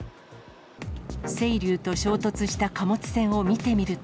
せいりゅうと衝突した貨物船を見てみると。